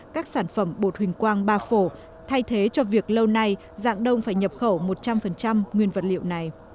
các sản phẩm bột hình quang ba phổ thay thế cho việc lâu nay dạng đông phải nhập khẩu một trăm linh nguyên vật liệu này